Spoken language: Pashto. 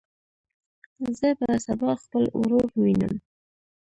زه به سبا خپل ورور ووینم.